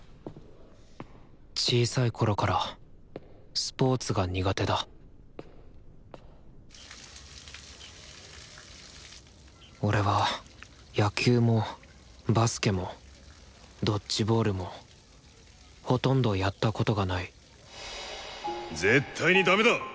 小さいころからスポーツが苦手だ俺は野球もバスケもドッジボールもほとんどやったことがない絶対にダメだ！